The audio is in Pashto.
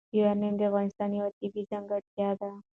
یورانیم د افغانستان یوه طبیعي ځانګړتیا ده.